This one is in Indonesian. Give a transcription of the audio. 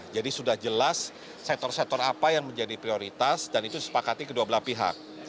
jadi sudah jelas sektor sektor apa yang menjadi prioritas dan itu sepakati kedua belah pihak